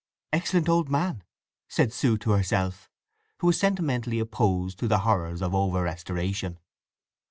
"Excellent old man!" said Sue to herself, who was sentimentally opposed to the horrors of over restoration.